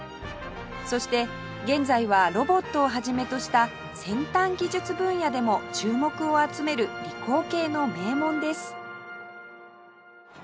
そして現在はロボットを始めとした先端技術分野でも注目を集める理工系の名門です